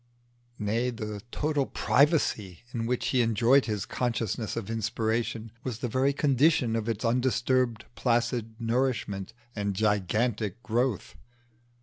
Nay, the total privacy in which he enjoyed his consciousness of inspiration was the very condition of its undisturbed placid nourishment and gigantic growth.